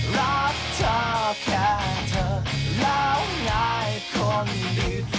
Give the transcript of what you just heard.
รักเธอแค่เธอแล้วยายคนดี